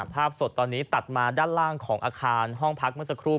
ภาพสดตอนนี้ตัดมาด้านล่างของอาคารห้องพักเมื่อสักครู่